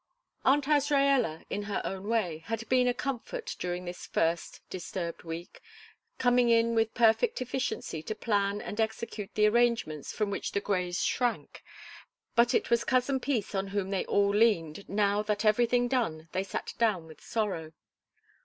Aunt Azraella, in her own way, had been a comfort during this first, disturbed week, coming in with perfect efficiency to plan and execute the arrangements from which the Greys shrank, but it was "Cousin Peace" on whom they all leaned now that, everything done, they sat down with sorrow.